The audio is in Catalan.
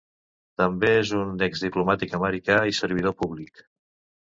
També és un exdiplomàtic americà i servidor públic.